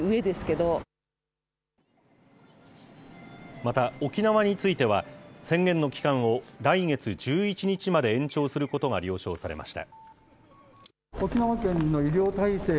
また沖縄については、宣言の期間を来月１１日まで延長することが了承されました。